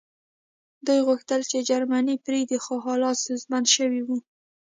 دوی غوښتل چې جرمني پرېږدي خو حالات ستونزمن شوي وو